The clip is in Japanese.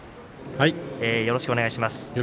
よろしくお願いします。